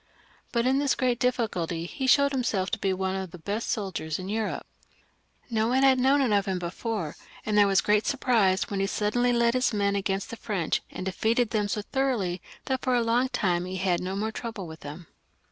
But in this great difficulty he showed himself to be one of the best soldiers in Europe. No one had known XLVi.] LOUIS XV. 373 it of him before, and there was great surprise when he suddenly led his men against the French, and defeated them so thoroughly that for a long time he had no more trouble with them.